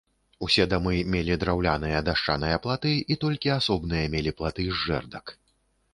Усе дамы мелі драўляныя дашчаныя платы, і толькі асобныя мелі платы з жэрдак.